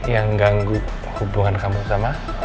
yang ganggu hubungan kamu sama